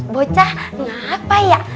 bocah ngapa ya